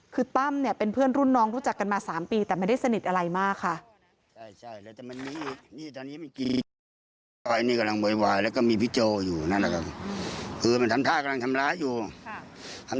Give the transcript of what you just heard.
คือตั้มเนี่ยเป็นเพื่อนรุ่นน้องรู้จักกันมา๓ปีแต่ไม่ได้สนิทอะไรมากค่ะ